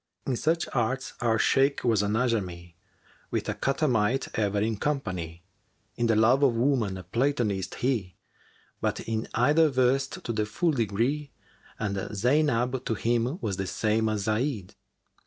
In such arts our Shaykh was an Ajamн[FN#382] * With a catamite ever in company; In the love of woman, a Platonist he[FN#383] * But in either versed to the full degree, And Zaynab to him was the same as Zayd.